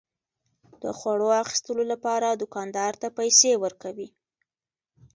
د خوړو اخیستلو لپاره دوکاندار ته پيسى ورکوي.